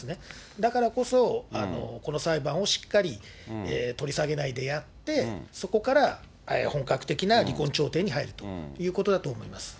だからこそ、この裁判をしっかり取り下げないでやって、そこから本格的な離婚調停に入るということだと思います。